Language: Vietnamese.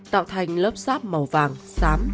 tạo thành lớp sáp màu vàng xám